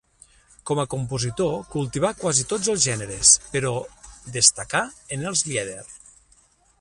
Com a compositor cultivà quasi tots els generes, però destacà en els lieder.